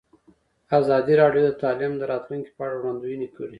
ازادي راډیو د تعلیم د راتلونکې په اړه وړاندوینې کړې.